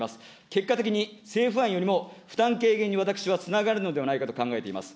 結果的に、政府案よりも負担軽減に私はつながるのではないかと考えています。